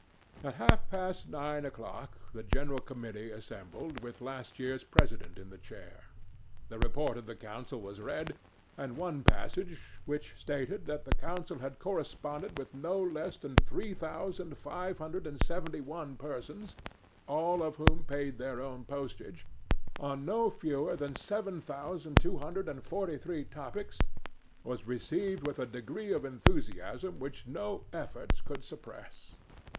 At half past nine o'clock the general committee assembled, with the last year's president in the chair. The report of the council was read; and one passage, which stated that the council had corresponded with no less than three thousand five hundred and seventy one persons, (all of whom paid their own postage,) on no fewer than seven thousand two hundred and forty three topics, was received with a degree of enthusiasm which no efforts could suppress.